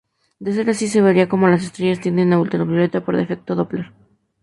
De ser así, se vería cómo las estrellas tienden a ultravioleta, por efecto Doppler.